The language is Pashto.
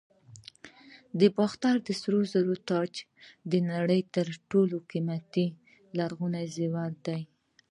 د باختر د سرو زرو تاج د نړۍ تر ټولو قیمتي لرغوني زیور دی